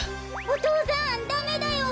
お父さんダメだよ。